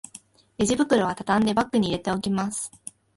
レジ袋はたたんでバッグに入れておきます